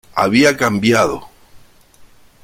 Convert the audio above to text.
Había cambiado.